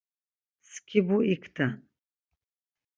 Mskibu ikten.